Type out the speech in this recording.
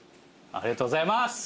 ありがとうございます！